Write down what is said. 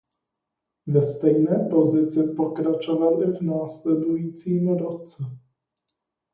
Ve stejné pozici pokračoval i v následujícím roce.